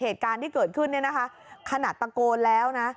เหตุการณ์ที่เกิดขึ้นเนี่ยนะคะขนาดตะโกนแล้วนะ